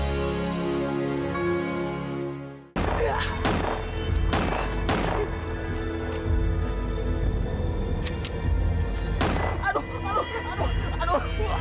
sampai jumpa di video selanjutnya